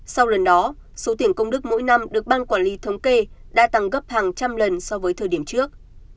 sau lần đó số tiền công đức mỗi năm được ban quản lý thống kê đã tăng gấp hàng trăm lần so với thời điểm trước